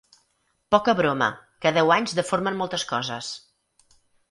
Poca broma, que deu anys deformen moltes coses.